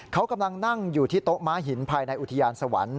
เขากำลังนั่งอยู่ที่โต๊ะม้าหินภายในอุทยานสวรรค์